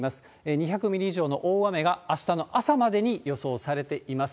２００ミリ以上の大雨が、あしたの朝までに予想されています。